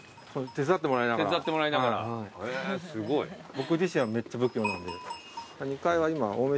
僕自身はめっちゃ不器用なんで。